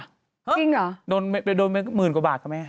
จริงเหรอโดนไปหมื่นกว่าบาทค่ะแม่